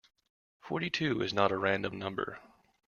Forty-two is not a random number.